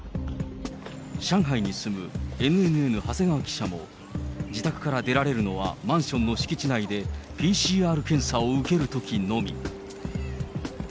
上海に住むＮＮＮ、長谷川記者も、自宅から出られるのは、マンションの敷地内でＰＣＲ検査を受けるときのみ。